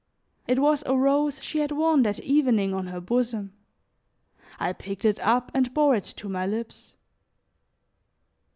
It was a rose she had worn that evening on her bosom; I picked it up and bore it to my lips.